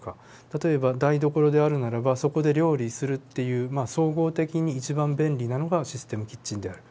例えば台所であるならばそこで料理するっていう総合的に一番便利なのがシステムキッチンである。